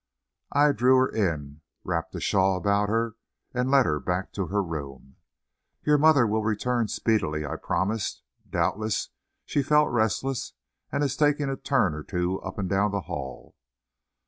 I drew her in, wrapped a shawl about her, and led her back to her room. "Your mother will return speedily," I promised. "Doubtless she felt restless, and is taking a turn or two up and down the hall."